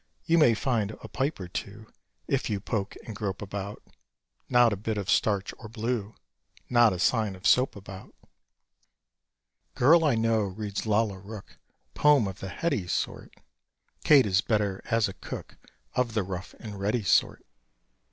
You may find a pipe or two If you poke and grope about: Not a bit of starch or blue Not a sign of soap about. Girl I know reads Lalla Rookh Poem of the "heady" sort: Kate is better as a cook Of the rough and ready sort.